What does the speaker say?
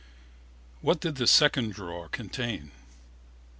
What did the 2nd drawer contain?